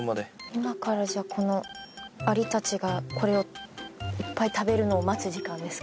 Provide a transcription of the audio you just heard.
今からじゃあこのアリたちがこれをいっぱい食べるのを待つ時間ですか？